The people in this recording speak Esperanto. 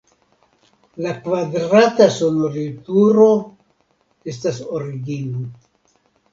La kvadrata sonorilturo estas origino.